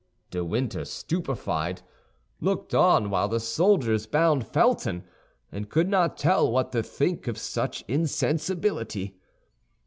De Winter, stupefied, looked on while the soldiers bound Felton, and could not tell what to think of such insensibility.